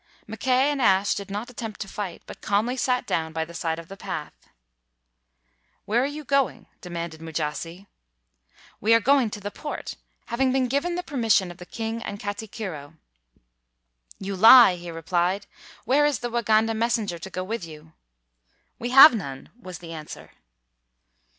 Mackay and Ashe did not at tempt to fight, but calmly sat down by the side of the path. 206 THREE BOY HEROES "Where are you going?" demanded Mu jasi. "We are going to the port, having been given the permission of the king and kati kiro." "You lie," he replied. "Where is the Waganda messenger to go with you?" "We have none," was the answer.